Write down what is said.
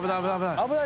危ない！